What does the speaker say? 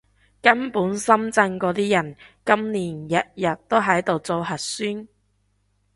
根本深圳嗰啲人，今年日日都喺度做核酸